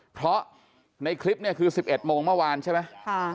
เพราะในคลิปเนี่ยคือ๑๑โมงเมื่อวานใช่ไหม